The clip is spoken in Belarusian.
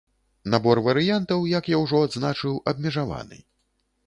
Набор варыянтаў, як я ўжо адзначыў, абмежаваны.